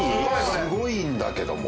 すごいんだけども。